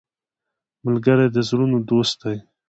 ملګری د زړونو دوست دی